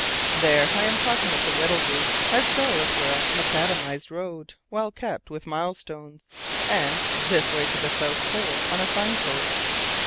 There! I am talking of the Weddell route as though it were a macadamized road, well kept, with mile stones and "This way to the South Pole" on a signpost!